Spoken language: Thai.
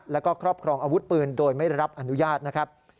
แล้วก็ครอบครองอาวุธปืนโดยไม่ได้รับอนุญาตนะครับ